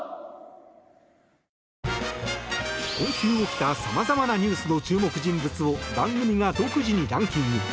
今週起きた様々なニュースの注目人物を番組が独自にランキング。